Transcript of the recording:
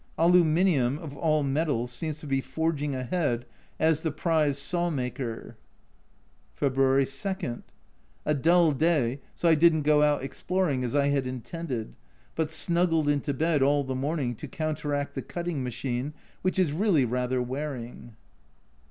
Aluminium, of all metals, seems to be forging ahead as the prize saw maker. February 2. A dull day, so I didn't go out exploring as I had intended, but snuggled into bed all the morning to counteract the cutting machine, which is really rather wearing.